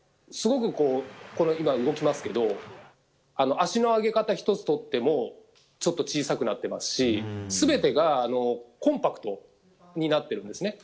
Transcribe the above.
すごく足の上げ方１つとってもちょっと小さくなっていますし全てがコンパクトになっているんですね。